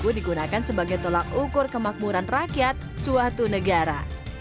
digunakan sebagai tolak ukur kemakmuran rakyat suatu negara